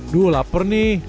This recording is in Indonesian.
duh lapar nih